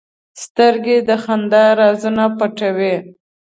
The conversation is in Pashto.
سترګې د خندا رازونه پټوي